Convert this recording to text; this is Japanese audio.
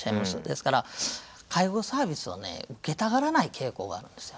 ですから介護サービスをね受けたがらない傾向があるんですよね。